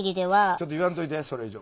ちょっと言わんといてそれ以上。